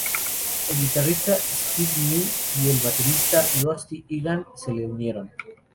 El guitarrista Steve New y el baterista Rusty Egan se le unieron.